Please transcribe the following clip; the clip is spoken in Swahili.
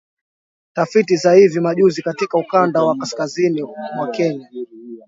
Tafiti za hivi majuzi katika ukanda wa kaskazini mwa Kenya